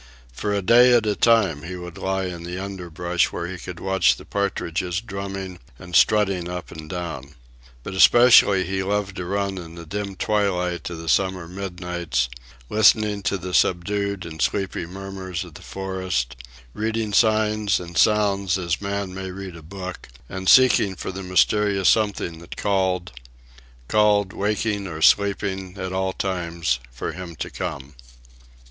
For a day at a time he would lie in the underbrush where he could watch the partridges drumming and strutting up and down. But especially he loved to run in the dim twilight of the summer midnights, listening to the subdued and sleepy murmurs of the forest, reading signs and sounds as man may read a book, and seeking for the mysterious something that called—called, waking or sleeping, at all times, for him to come.